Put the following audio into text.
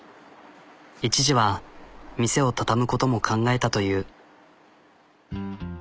一時は店を畳むことも考えたという。